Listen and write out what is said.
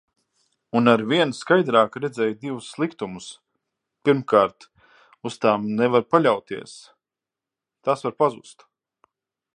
Un arvien skaidrāk redzēju divus sliktumus. Pirmkārt, uz tām nevar paļauties. Tās var pazust.